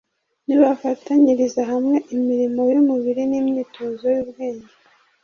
nibafatanyiriza hamwe imirimo y'umubiri n'imyitozo y'ubwenge